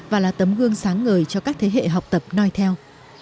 và là tấm gương sáng ngời cho các thế hệ học tập noi theo